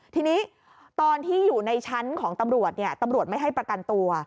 ทีนี้ตอนที่อยู่ในชั้นของตำรวจตำรวจไม่ให้ประกันตัว